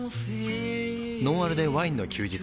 「ノンアルでワインの休日」